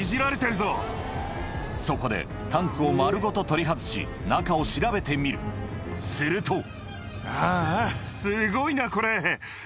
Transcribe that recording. そこでタンクを丸ごと取り外し中を調べてみるするとああ。